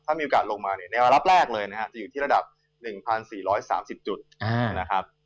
ถ้ามีโอกาสลงมาเนี่ยในระดับแรกเลยนะครับจะอยู่ที่ระดับ๑๔๓๐จุดนะครับ